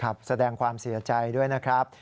แสดงความเสียใจด้วยนะครับ